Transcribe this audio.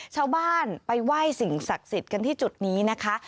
ชาวบ้านไปไหว้สิ่งศักดิ์สิทธิ์กันที่จุดนี้นะคะ